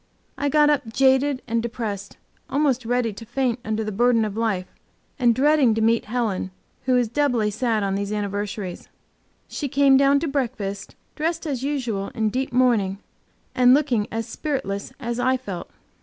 I got up jaded and depressed, almost ready to faint under the burden of life, and dreading to meet Helen, who is doubly sad on these anniversaries. She came down to breakfast dressed as usual in deep mourning, and looking as spiritless as I felt.